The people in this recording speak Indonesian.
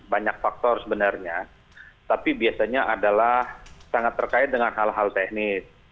banyak faktor sebenarnya tapi biasanya adalah sangat terkait dengan hal hal teknis